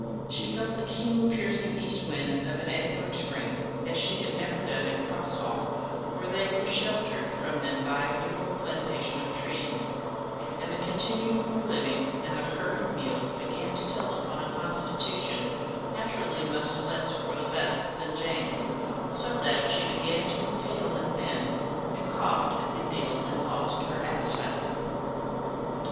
She felt the keen piercing east winds of an Edinburgh spring as she had never done at Cross Hall, where they were sheltered from them by a beautiful plantation of trees; and the continued poor living and the hurried meals began to tell upon a constitution naturally much less robust than Jane's, so that she began to look pale and thin, and coughed a good deal, and lost her appetite.